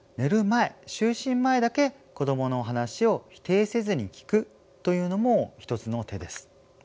前就寝前だけ子どもの話を否定せずに聞くというのも一つの手です。